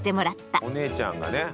お姉ちゃんがね。